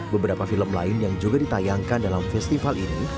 beberapa film lain yang juga ditayangkan dalam festival ini